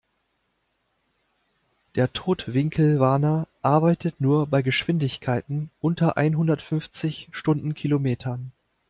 Der Totwinkelwarner arbeitet nur bei Geschwindigkeiten unter einhundertfünfzig Stundenkilometern.